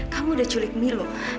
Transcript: kamu udah culik milo